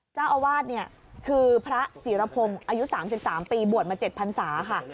เจ้าอาวาสเนี่ยคือพระจิรพงศ์อายุ๓๓ปีบวชมา๗พันศาค่ะ